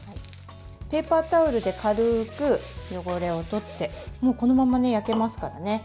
ペーパータオルで軽く汚れを取ってもうこのまま焼けますからね。